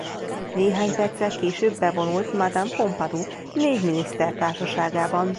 Néhány perccel később bevonult Madame Pompidou négy miniszter társaságában.